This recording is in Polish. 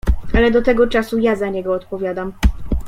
"Ale do tego czasu ja za niego odpowiadam."